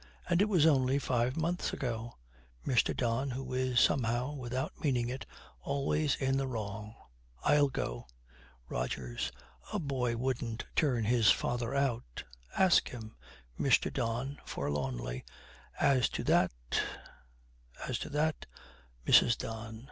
And it was only five months ago!' MR. DON, who is somehow, without meaning it, always in the wrong, 'I'll go.' ROGERS. 'A boy wouldn't turn his father out. Ask him.' MR. DON, forlornly, 'As to that as to that ' MRS. DON.